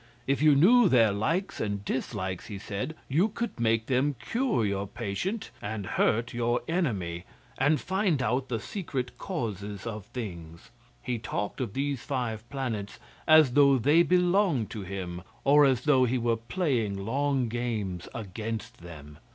If you knew their likes and dislikes, he said, you could make them cure your patient and hurt your enemy, and find out the secret causes of things. He talked of these five Planets as though they belonged to him, or as though he were playing long games against them.